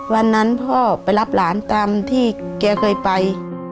วันนั้นพ่อไปรับหลานตามที่แกเคยไป